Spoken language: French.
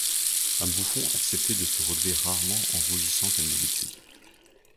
Un bouffon acceptait de se relever rarement en rougissant comme d'habitude.